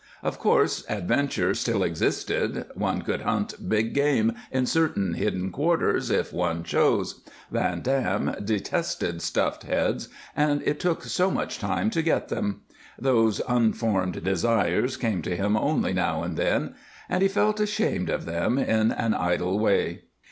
Of course, adventure still existed; one could hunt big game in certain hidden quarters, if one chose. Van Dam detested stuffed heads, and it took so much time to get them. These unformed desires came to him only now and then, and he felt ashamed of them, in an idle way.